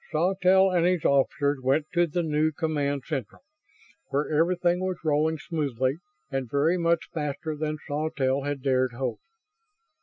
Sawtelle and his officers went to the new Command Central, where everything was rolling smoothly and very much faster than Sawtelle had dared hope.